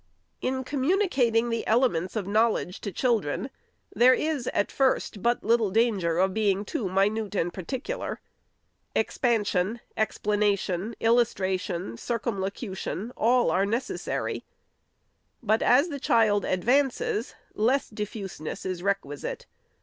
In communicating the elements of knowledge to chil dren, there is, at first, but little danger of being too minute and particular. Expansion, explanation, illustra tion, circumlocution, — all are necessary. But, as the child advances, less diffuseness is requisite.